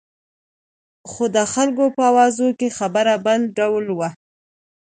خو د خلکو په اوازو کې خبره بل ډول وه.